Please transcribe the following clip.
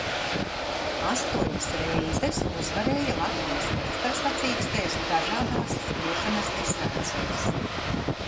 Astoņas reizes uzvarēja Latvijas meistarsacīkstēs dažādās skriešanas distancēs.